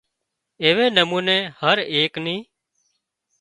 ايوي نموني هري ايڪ نِي